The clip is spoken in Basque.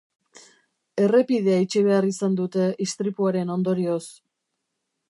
Errepidea itxi behar izan dute istripuaren ondorioz.